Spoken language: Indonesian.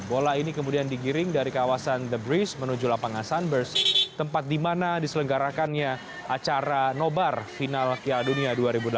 bola ini kemudian digiring dari kawasan the breeze menuju lapangan sunburst tempat di mana diselenggarakannya acara nobar final piala dunia dua ribu delapan belas